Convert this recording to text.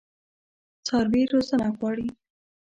څاروي روزنه غواړي.